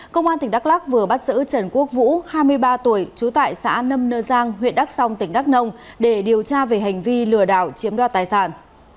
công an tỉnh đắk lắc vừa bắt sử trần quốc vũ hai mươi ba tuổi trú tại xã nâm nơ giang huyện đắk song tỉnh đắk nông để điều tra về hành vi lừa đảo chiếm đoạt tài sản